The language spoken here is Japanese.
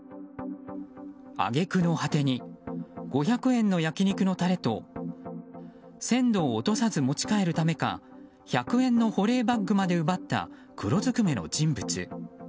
揚げ句の果てに５００円の焼き肉のタレと鮮度を落とさず持ち帰るためか１００円の保冷バッグまで奪った黒ずくめの人物。